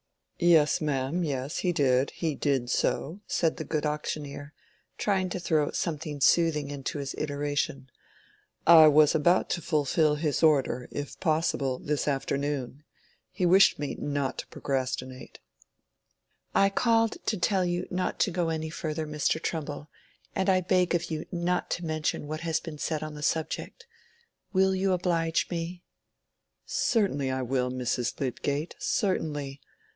"Yes, ma'am, yes, he did; he did so," said the good auctioneer, trying to throw something soothing into his iteration. "I was about to fulfil his order, if possible, this afternoon. He wished me not to procrastinate." "I called to tell you not to go any further, Mr. Trumbull; and I beg of you not to mention what has been said on the subject. Will you oblige me?" "Certainly I will, Mrs. Lydgate, certainly.